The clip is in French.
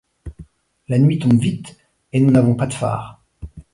La nuit tombe vite et nous n’avons pas de phares.